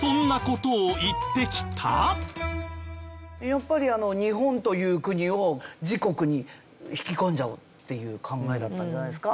やっぱり日本という国を自国に引き込んじゃおうっていう考えだったんじゃないですか？